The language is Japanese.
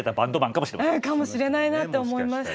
かもしれないなって思いました。